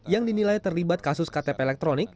yang dinilai terlibat kasus ktp elektronik